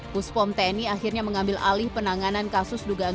puspom tni akhirnya mengambil alih penanganan kasus dugaan